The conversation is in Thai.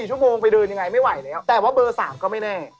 ชั่วโมงไปเดินยังไงไม่ไหวแล้วแต่ว่าเบอร์๓ก็ไม่แน่